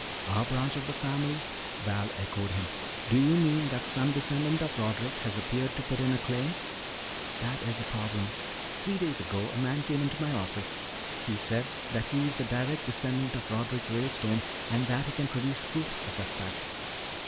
"Our branch of the family?" Val echoed him. "Do you mean that some descendant of Roderick has appeared to put in a claim?" "That is the problem. Three days ago a man came to my office. He said that he is the direct descendant of Roderick Ralestone and that he can produce proof of that fact."